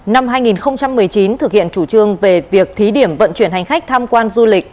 năm hai nghìn một mươi chín thực hiện chủ trương về việc thí điểm vận chuyển hành khách tham quan du lịch